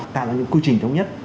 tạo ra những quy trình chống nhất